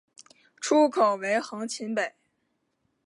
出口为横琴北。